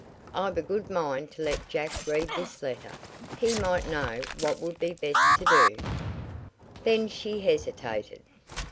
I've a good mind to let Jack read this letter. He might know what would be best to do." Then she hesitated.